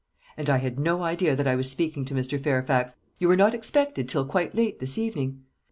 "And I had no idea that I was speaking to Mr. Fairfax. You were not expected till quite late this evening."